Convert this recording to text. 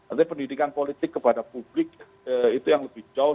artinya pendidikan politik kepada publik itu yang lebih jauh